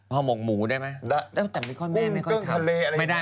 หอมกหมูได้ไหม